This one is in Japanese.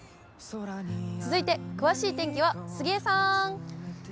続いて詳しい天気は杉江さん。